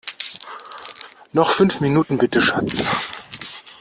Noch fünf Minuten bitte, Schatz!